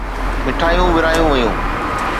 مٺايون ورهايون ويون.